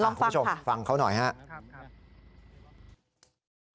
คุณผู้ชมฟังเขาหน่อยครับ